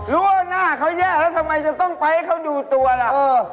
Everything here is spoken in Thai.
ว่าหน้าเขาแย่แล้วทำไมจะต้องไปให้เขาดูตัวล่ะ